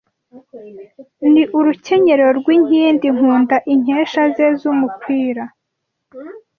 Ni urukenyerero rw’inkindi Nkunda inkesha ze z’umukwira